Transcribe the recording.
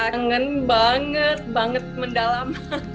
rangin banget banget mendalam